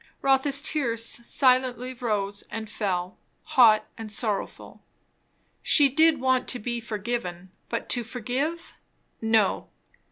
Rotha's tears silently rose and fell, hot and sorrowful. She did want to be forgiven; but to forgive, no.